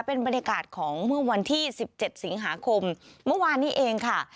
เป็นบรรยากาศของเมื่อวันที่สิบเจ็ดสิงหาคมเมื่อวานนี้เองค่ะ